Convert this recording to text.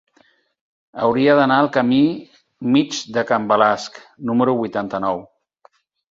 Hauria d'anar al camí Mig de Can Balasc número vuitanta-nou.